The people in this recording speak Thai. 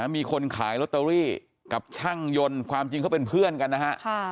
มีคนขายลอตเตอรี่กับช่างยนต์ความจริงเขาเป็นเพื่อนกันนะฮะ